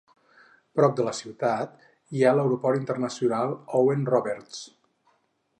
Prop de la ciutat hi ha l'Aeroport Internacional Owen Roberts.